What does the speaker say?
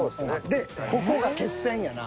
でここが決戦やな。